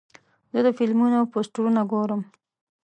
زه د فلمونو پوسټرونه ګورم.